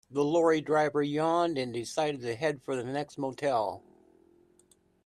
The lorry driver yawned and decided to head for the next motel.